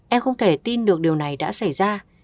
em không thể tin được điều này đã xảy ra